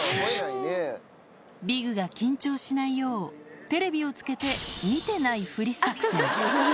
ビグが緊張しないよう、テレビをつけて、見てないふり作戦。